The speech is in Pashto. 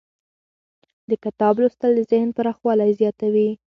د کتاب لوستل د ذهن پراخوالی زیاتوي.